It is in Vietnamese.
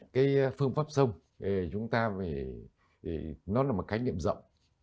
cái phương pháp sông chúng ta thì nó là một cái nghiệm rộng